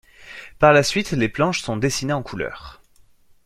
Par la suite les planches sont dessinées en couleurs.